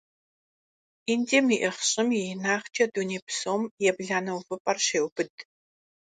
Индием иӀыгъ щӀым и инагъкӀэ дуней псом ебланэ увыпӀэр щеубыд.